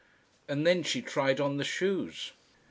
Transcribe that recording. And then she tried on the shoes.